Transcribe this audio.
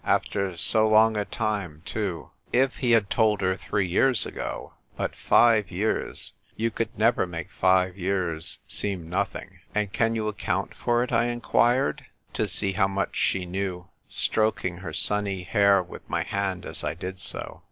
After so long a time, too ! If he had told her three years ago But five years — you could never make five years seem nothing. " And can you account for it ?" I inquired, Q 2 236 THE TYPE WRITER GIRL. to see how much she knew, stroking her sunny hair with my hand as I did so.